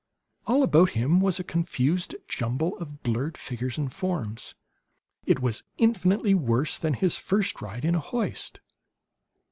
All about him was a confused jumble of blurred figures and forms; it was infinitely worse than his first ride in a hoist.